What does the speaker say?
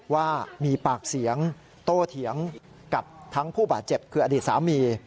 ว่ามีปากเสียงโตเถียงกับทั้งผู้บาดเจ็บคืออดีตสามี